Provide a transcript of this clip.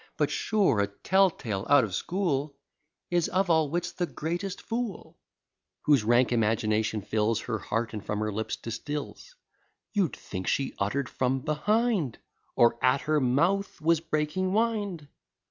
But sure a tell tale out of school Is of all wits the greatest fool; Whose rank imagination fills Her heart, and from her lips distils; You'd think she utter'd from behind, Or at her mouth was breaking wind.